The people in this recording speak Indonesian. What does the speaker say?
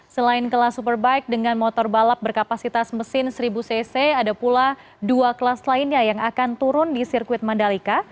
selain kelas superbike dengan motor balap berkapasitas mesin seribu cc ada pula dua kelas lainnya yang akan turun di sirkuit mandalika